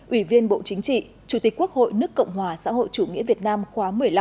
ủy viên bộ chính trị chủ tịch quốc hội nước cộng hòa xã hội chủ nghĩa việt nam khóa một mươi năm